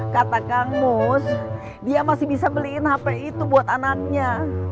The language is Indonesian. kata kang mus dia masih bisa beliin hp itu buat anaknya